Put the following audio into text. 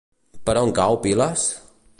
Per on cau Piles?